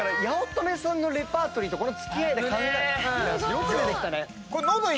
よく出てきたね。